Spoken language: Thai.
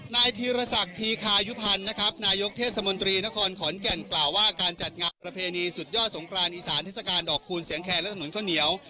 นายธีรศักดิ์ธีคายุพันธ์นะครับนายกเทศมนตรีนครขอนแก่นกล่าวว่าการจัดงานประเพณีสุดยอดสงครานอีสานเทศกาลดอกคูณเสียงแคร์และถนนข้าวเหนียว